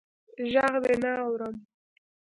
ږغ دي نه اورم.